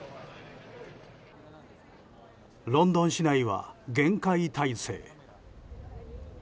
ロンドン市内は厳戒態勢。